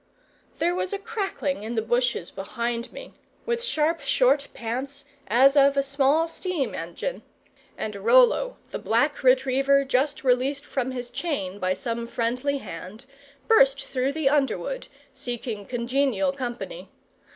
There was a crackling in the bushes behind me, with sharp short pants as of a small steam engine, and Rollo, the black retriever, just released from his chain by some friendly hand, burst through the underwood, seeking congenial company.